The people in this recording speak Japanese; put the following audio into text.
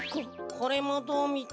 これもどうみても。